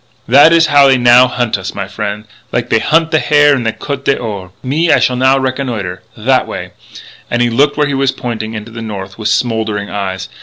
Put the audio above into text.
"That is how they now hunt us, my frien' like they hunt the hare in the Côte d'Or.... Me, I shall now reconnoitre that way!" And he looked where he was pointing, into the north with smouldering eyes.